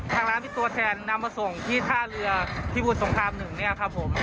ทางร้านเป็นตัวแทนนำมาส่งที่ท่าเรือที่บุตรสงครามหนึ่ง